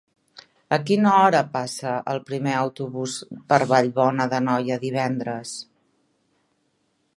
A quina hora passa el primer autobús per Vallbona d'Anoia divendres?